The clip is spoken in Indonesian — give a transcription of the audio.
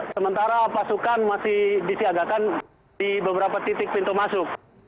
sementara pasukan masih disiagakan di beberapa titik pintu masuk